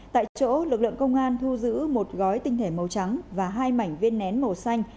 tại chỗ lực lượng công an thu giữ một gói tinh thể màu trắng và hai mảnh viên nén màu xanh